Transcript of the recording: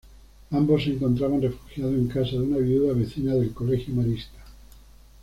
Ambos se encontraban refugiados en casa de una viuda vecina del colegio marista.